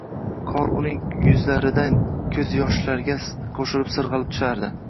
Qor uning yuzlaridan koʻz yoshlarga qoʻshilib sirgʻalib tushardi.